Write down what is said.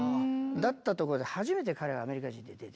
だったとこで初めて彼がアメリカ人で出てきて。